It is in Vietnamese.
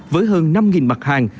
với hơn năm mặt hàng